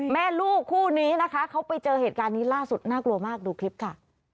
แม่ลูกคู่นี้นะคะเขาไปเจอเหตุการณ์นี้ล่าสุดน่ากลัวมากดูคลิปค่ะ